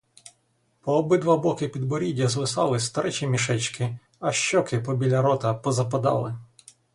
По обидва боки підборіддя звисали старечі мішечки, а щоки побіля рота позападали.